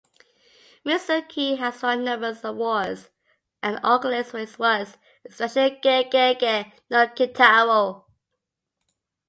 Mizuki has won numerous awards and accolades for his works, especially "GeGeGe no Kitaro".